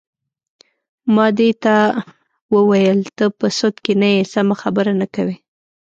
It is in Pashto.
ما دې ته وویل: ته په سد کې نه یې، سمه خبره نه کوې.